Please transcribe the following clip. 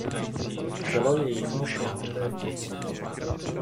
Tělo je jemně prohnuté v bocích.